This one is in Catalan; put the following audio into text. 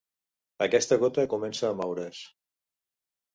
Aquesta gota comença a moure's.